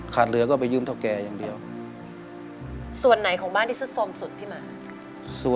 ขาดเหลือก็ไปยืมเท่าแก่อย่างเดียว